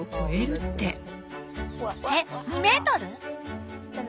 えっ２メートル？